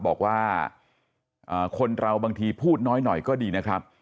บอกว่าคนเราบางทีพูดน้อยหน่อยก็ดีนะครับ